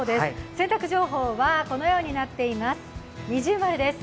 洗濯情報はこのようになっています、◎です。